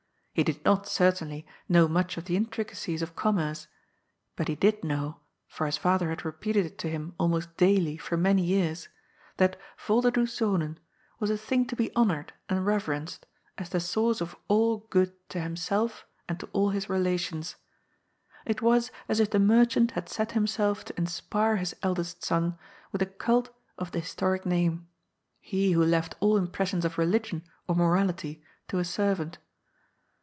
He did not, certainly, know much of the intricacies of commerce ; but he did know, for his father had repeated it to him almost daily for many years, that ^ Yolderdoes Zonen '' was a thing to be honoured and rever enced, as the source of all good to himself and to all his re lations. It was as if the merchant had set himself to inspire his eldest son with a cult of the historic name, he who left all impressions of religion or morality to a servant.